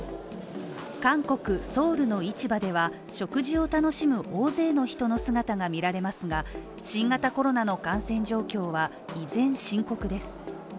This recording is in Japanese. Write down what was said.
韓国ソウルの市場では食事を楽しむ大勢の人の姿が見られますが、新型コロナの感染状況は依然深刻です。